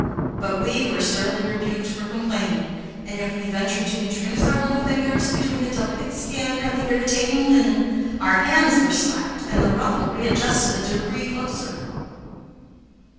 But we were sternly rebuked for complaining, and if we ventured to introduce our little fingers between the delicate skin and the irritating linen, our hands were slapped and the ruffle readjusted a degree closer.